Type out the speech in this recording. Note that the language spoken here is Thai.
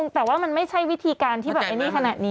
แต่ว่ามันไม่ใช่วิธีการที่แบบไอ้นี่ขนาดนี้